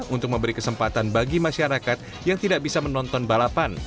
untuk memberi kesempatan bagi masyarakat yang tidak bisa menonton balapan